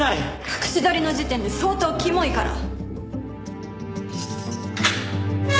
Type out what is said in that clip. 隠し撮りの時点で相当キモいから。